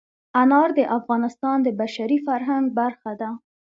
انار د افغانستان د بشري فرهنګ برخه ده.